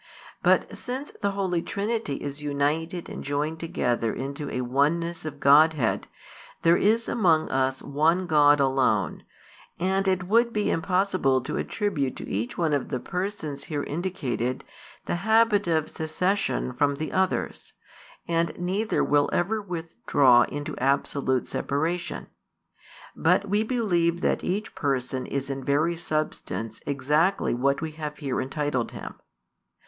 But |265 since the Holy Trinity is united and joined together into a oneness of Godhead, there is among us One God alone: and it would be impossible to attribute to each one of the Persons here indicated the habit of secession from the others, and neither will ever withdraw into absolute separation; but we believe that each Person is in very substance exactly what we have here entitled Him.